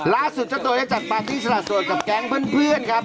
ล่าสุดเจ้าตัวเนี่ยจากปาร์ตี้สละส่วนกับแก๊งเพื่อนครับ